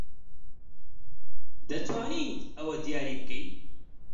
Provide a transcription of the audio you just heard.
دەتوانیت ئەوە دیاری بکەیت؟